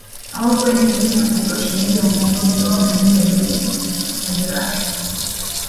Hawakuwa na elimu ya kutosha juu ya ukombozi wao na juu ya zile malighafi